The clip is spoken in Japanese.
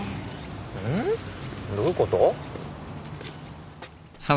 うん？どういうこと？